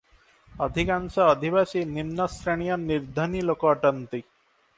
ଅଧିକାଂଶ ଅଧିବାସୀ ନିମ୍ନଶ୍ରେଣୀୟ ନିର୍ଦ୍ଧନୀ ଲୋକ ଅଟନ୍ତି |